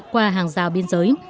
qua hàng rào biên giới